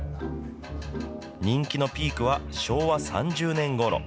人気のピークは昭和３０年ごろ。